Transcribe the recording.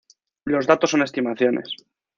Los datos son estimaciones.